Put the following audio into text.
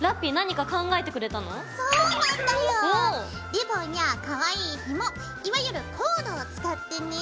リボンやかわいいひもいわゆるコードを使ってね。